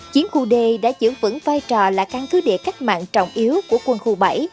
chiến khu d đã giữ vững vai trò là căn cứ địa cách mạng trọng yếu của quân khu bảy